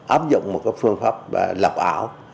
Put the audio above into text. áp dụng một cái phương pháp lọc ảo